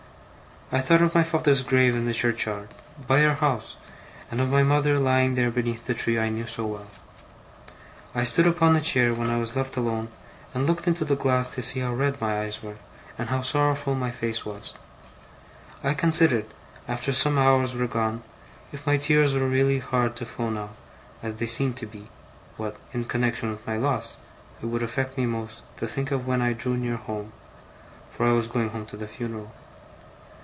I thought of my father's grave in the churchyard, by our house, and of my mother lying there beneath the tree I knew so well. I stood upon a chair when I was left alone, and looked into the glass to see how red my eyes were, and how sorrowful my face. I considered, after some hours were gone, if my tears were really hard to flow now, as they seemed to be, what, in connexion with my loss, it would affect me most to think of when I drew near home for I was going home to the funeral.